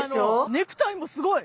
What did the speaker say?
ネクタイもすごい。